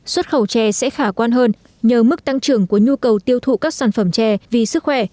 xuất khẩu chè sẽ khả quan hơn nhờ mức tăng trưởng của nhu cầu tiêu thụ các sản phẩm chè vì sức khỏe